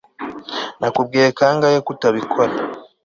Nakubwiye kangahe ko utabikora